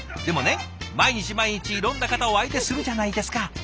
でもね毎日毎日いろんな方を相手するじゃないですか。